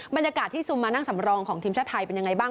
บรรยากาศที่ซุมมานั่งสำรองของทีมชาติไทยเป็นยังไงบ้าง